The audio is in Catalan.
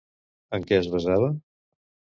En què es basava?